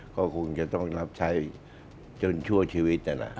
ก็คงจะต้องรับใช้จนชั่วชีวิต